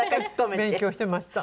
勉強してました。